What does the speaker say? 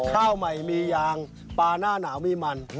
ข้าวใหม่มียางปลาหน้าหนาวมีมัน